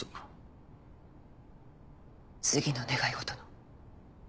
次の願いごとの。